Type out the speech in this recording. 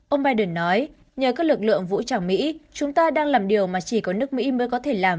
ông biden nói nhờ các lực lượng vũ trang mỹ chúng ta đang làm điều mà chỉ có nước mỹ mới có thể làm